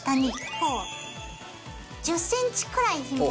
こう１０ｃｍくらいひもが。